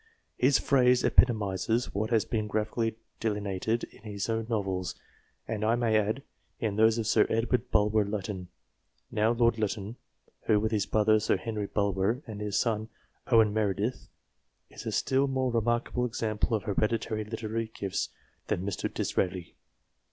His phrase epitomizes what has been graphically delineated in his own novels, and, I may add, in those of Sir Edward Bulwer Lytton, now Lord Lytton (who, with his brother Sir Henry Bulwer, and in his son " Owen Meredith," is a still more remarkable example of hereditary literary gifts than Mr. Disraeli).